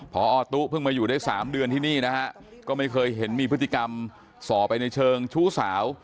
พอตู้เพิ่งมาอยู่ได้๓เดือนที่นี่นะฮะก็ไม่เคยเห็นมีพฤติกรรมส่อไปในเชิงชู้สาว